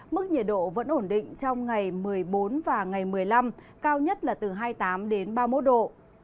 mức nhiệt độ vẫn ổn định trong ngày một mươi bốn và ngày một mươi năm cao nhất là từ hai mươi tám đến ba mươi một độ